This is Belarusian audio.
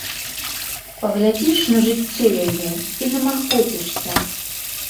Паглядзіш на жыццё яе і замаркоцішся.